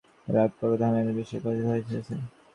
আর একপ্রকার ধ্যানের বিষয় কথিত হইতেছে।